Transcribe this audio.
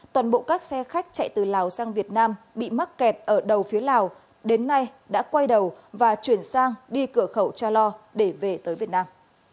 toàn bộ các xe khách chạy từ lào sang việt nam bị mắc kẹt ở đầu phía lào đến nay đã quay đầu và chuyển sang đi cửa khẩu cha lo để về tới việt nam